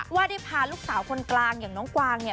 ว่าได้พาลูกสาวคนกลางอย่างน้องกวาง